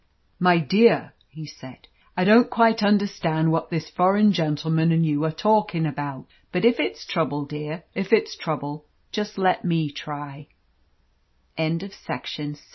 "My dear," he said, "I don't quite understand what this foreign gentleman and you are talkin' about. But if it's trouble, dear, if it's trouble just let me try." CHAPTER VII. IN THE STREET OF THE PEACE.